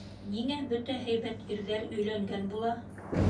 Ниңә бөтә һәйбәт ирҙәр өйләнгән була?!